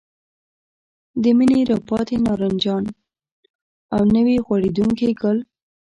د مني راپاتې نارنجان او نوي غوړېدونکي ګل.